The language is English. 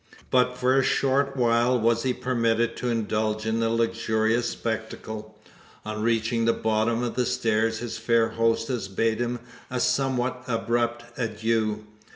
But for a short while was he permitted to indulge in the luxurious spectacle. On reaching the bottom of the stair his fair hostess bade him a somewhat abrupt adieu.